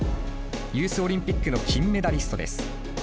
ユースオリンピックの金メダリストです。